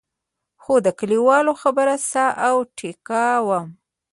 خو د کلیوالو خبره ساه او ټیکا وم.